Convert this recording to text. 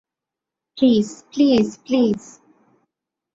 Please, please, please.